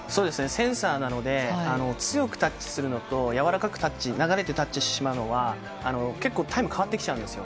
センサーなので、強くタッチするのと、柔らかくタッチ、流れてタッチしてしまうのは、結構タイム変わってきちゃうんですよ。